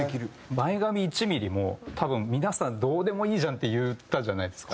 「前髪１ｍｍ」も多分皆さんどうでもいいじゃんって言ったじゃないですか。